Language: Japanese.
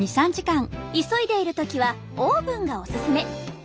急いでいる時はオーブンがおすすめ。